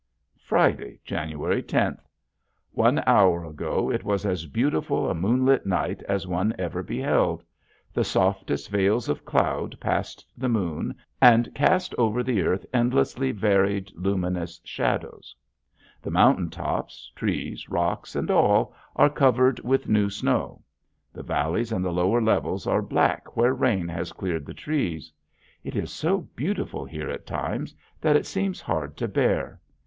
Friday, January tenth. One hour ago it was as beautiful a moonlit night as one ever beheld. The softest veils of cloud passed the moon and cast over the earth endlessly varied, luminous shadows. The mountain tops, trees, rocks, and all, are covered with new snow; the valleys and the lower levels are black where rain has cleared the trees. It is so beautiful here at times that it seems hard to bear.